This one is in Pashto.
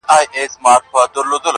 نازولې د بادار یم معتبره -